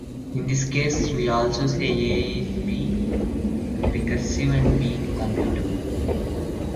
In this case, we also say "A" is B"-recursive and B"-computable.